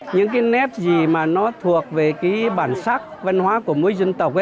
những cái nét gì mà nó thuộc về cái bản sắc văn hóa của mỗi dân tộc ấy